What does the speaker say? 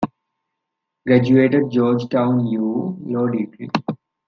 Graduated George Town U., Law Degree.